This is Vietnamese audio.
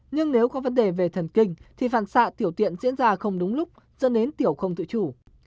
nhưng nếu có vấn đề về thần kinh thì phản xạ tiểu tiện diễn ra không đúng lúc dẫn đến tiểu không tự chủ